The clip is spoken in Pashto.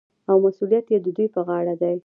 او مسوولیت یې د دوی په غاړه دی.